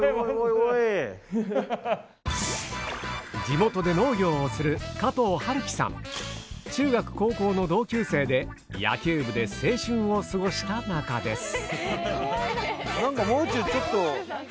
地元で農業をする中学・高校の同級生で野球部で青春を過ごした仲です。